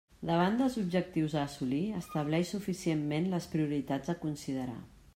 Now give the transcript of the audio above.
Davant dels objectius a assolir, estableix suficientment les prioritats a considerar.